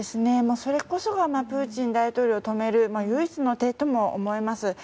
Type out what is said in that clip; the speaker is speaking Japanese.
それこそがプーチン大統領を止める唯一の手とも思えます。